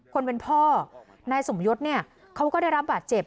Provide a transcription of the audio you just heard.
คนเป็นพ่อนายสมยศเนี่ยเขาก็ได้รับบาดเจ็บ